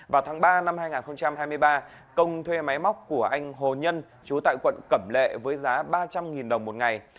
vào tháng ba năm hai nghìn hai mươi ba công thuê máy móc của anh hồ nhân chú tại quận cẩm lệ với giá ba trăm linh đồng một ngày